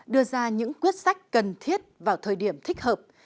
đưa ra những quyết sách cần thiết vào thời điểm thích hợp